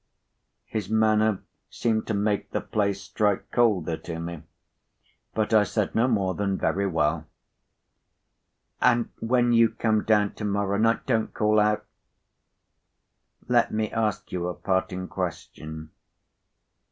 His manner seemed to make the place strike colder to me, but I said no more than "Very well." "And when you come down to morrow night, don't call out! Let me ask you a parting question.